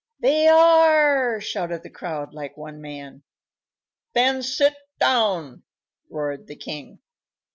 "They are!" shouted the crowd, like one man. "Then sit down!" roared the king.